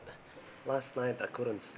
ya karena aku mikirin tentang hubungan kita